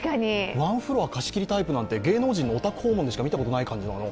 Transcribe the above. ワンフロア貸し切りタイプなんて芸能人お宅訪問しか見たことない。